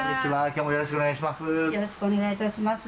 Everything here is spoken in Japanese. きょうもよろしくお願いします。